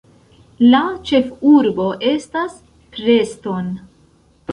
La ĉefurbo estas Preston.